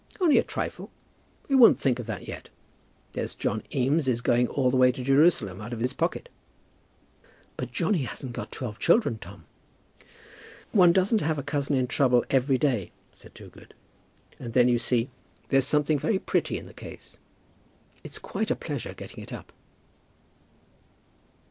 "Only a trifle. We won't think of that yet. There's John Eames is going all the way to Jerusalem, out of his pocket." "But Johnny hasn't got twelve children, Tom." "One doesn't have a cousin in trouble every day," said Toogood. "And then you see there's something very pretty in the case. It's quite a pleasure getting it up."